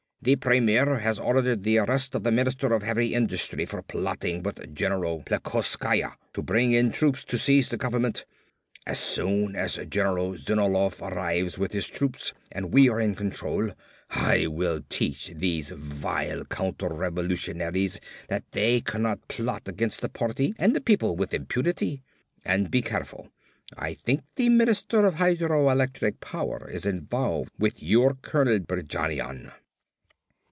"The Premier has ordered the arrest of the Minister of Heavy Industry for plotting with General Plekoskaya to bring in troops to seize the government. As soon as General Zenovlov arrives with his troops and we are in control, I will teach these vile counterrevolutionaries that they cannot plot against the party and the people with impunity! And be careful! I think the Minister of Hydroelectric Power is involved with your Colonel Berjanian."